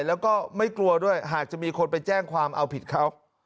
แล้วก็ไม่กลัวด้วยหากจะมีคนไปแจ้งความเอาผิดเขา